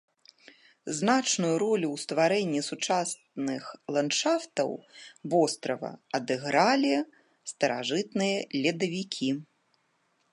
Значную ролю ў стварэнні сучасных ландшафтаў вострава адыгралі старажытныя ледавікі.